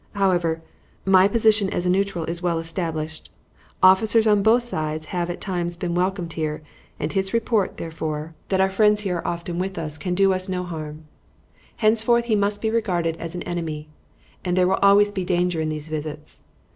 However, my position as a neutral is well established. Officers on both sides have at times been welcomed here, and his report, therefore, that our friends here are often with us can do us no harm. Henceforth he must be regarded as an enemy, and there will always be danger in these visits.